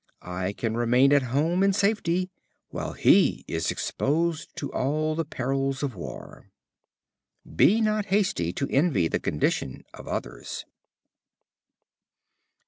I can remain at home in safety while he is exposed to all the perils of war." Be not hasty to envy the condition of others.